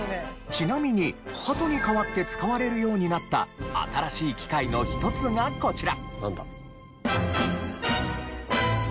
ちなみに鳩に代わって使われるようになった新しい機械の一つがこちら。